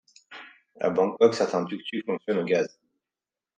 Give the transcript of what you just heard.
À Bangkok, certains tuk-tuk fonctionnent au gaz.